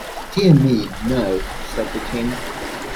‘Dear me, no!’ said the King.